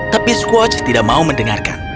tapi squatch tidak mau mendengarkan